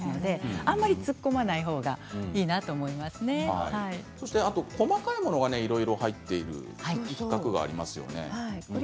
あまり突っ込まない方があと細かいものがいろいろ入っている区画がありますね。